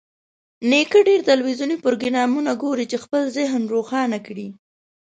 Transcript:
نیکه ډېر تلویزیوني پروګرامونه ګوري چې خپل ذهن روښانه کړي.